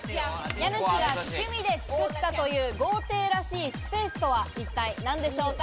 家主が趣味で作ったという豪邸らしいスペースとは一体何でしょうか？